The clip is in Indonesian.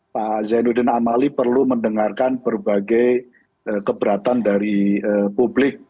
pak zainuddin amali perlu mendengarkan berbagai keberatan dari publik